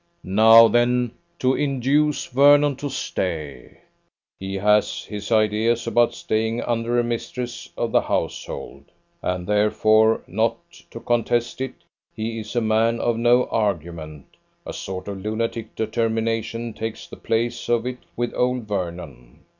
Now, then, to induce Vernon to stay. He has his ideas about staying under a mistress of the household; and therefore, not to contest it he is a man of no argument; a sort of lunatic determination takes the place of it with old Vernon!